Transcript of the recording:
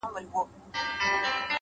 هره ورځ د نوي امکان زېری راوړي’